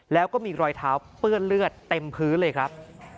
แล้วก็มีรอยเท้าเปื้อนเลือดเต็มพื้นเลยครับ